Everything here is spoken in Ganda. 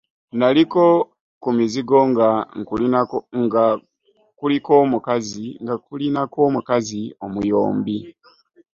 Naliko ku mizigo nga kulinako omukazi omuyombi.